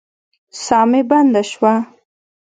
ساه مي بنده سوه.